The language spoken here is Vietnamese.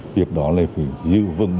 việc đó là phải giữ vững